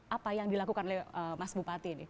apa yang dilakukan oleh mas bupati ini